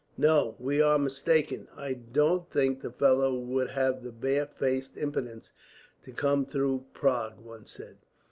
"No, we are mistaken. I don't think the fellow would have the bare faced impudence to come through Prague," one said.